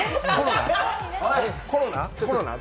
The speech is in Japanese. コロナ？